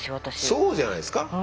そうじゃないですか？